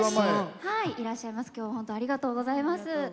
今日は本当ありがとうございます。